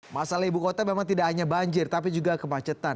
masalah ibu kota memang tidak hanya banjir tapi juga kemacetan